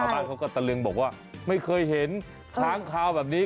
บ้านเขาก็ตะลึงบอกว่าไม่เคยเห็นค้างคาวแบบนี้